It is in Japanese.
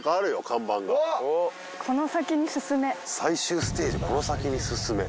看板が「この先に進め！」「最終ステージへ！